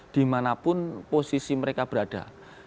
dimanapun posisi mereka